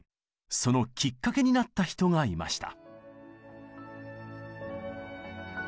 そのきっかけになった人がいました。